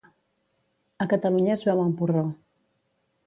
A Catalunya es beu amb porró.